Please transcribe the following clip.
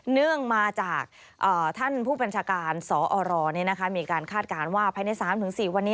เนื่องมาจากท่านผู้บัญชาการสอรมีการคาดการณ์ว่าภายใน๓๔วันนี้